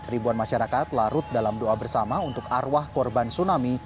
ribuan masyarakat larut dalam doa bersama untuk arwah korban tsunami